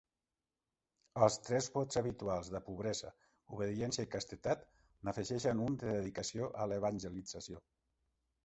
Als tres vots habituals de pobresa, obediència i castedat, n'afegeixen un de dedicació a l'evangelització.